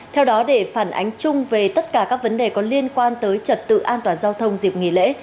theo đó để phản ánh chung về tất cả các vấn đề có liên quan tới trật tự an toàn giao thông dịp nghỉ lễ